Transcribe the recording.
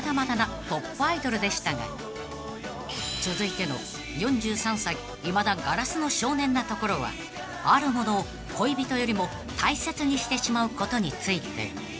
［続いての４３歳いまだ硝子の少年なところはあるものを恋人よりも大切にしてしまうことについて］